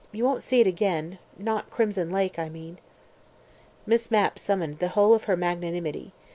You won't see it again. Not crimson lake, I mean." Miss Mapp summoned the whole of her magnanimity.